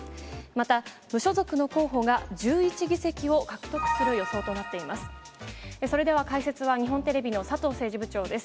また、無所属の候補が１１議席を獲得する予想となっています。